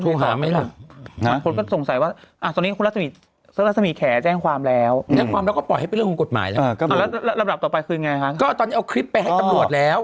ก็ตอนนี้เอาคลิปไปให้ตำรวจแล้ว